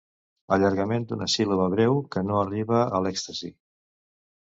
Allargament d'una síl·laba breu que no arriba a l'èxtasi.